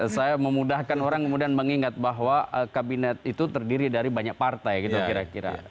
saya memudahkan orang kemudian mengingat bahwa kabinet itu terdiri dari banyak partai gitu kira kira